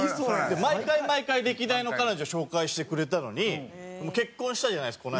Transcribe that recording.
毎回毎回歴代の彼女紹介してくれたのに結婚したじゃないですか